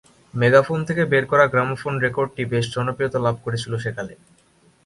Megaphone থেকে বের করা গ্রামোফোন রেকর্ডটি বেশ জনপ্রিয়তা লাভ করেছিল সেকালে।